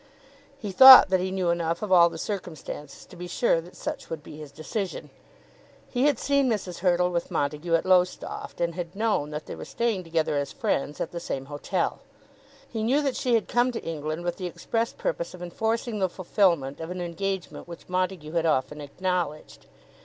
He thought that he knew enough of all the circumstances to be sure that such would be his decision. He had seen Mrs. Hurtle with Montague at Lowestoft, and had known that they were staying together as friends at the same hotel. He knew that she had come to England with the express purpose of enforcing the fulfilment of an engagement which Montague had often acknowledged.